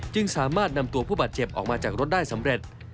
จึงสามารถนำตัวผู้บาดเจ็บออกมาจากรถได้สำเร็จ